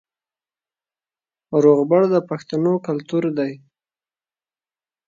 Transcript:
روغبړ د پښتنو کلتور دی